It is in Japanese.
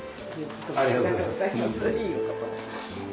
ありがとうございます。